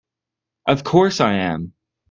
Of course I am!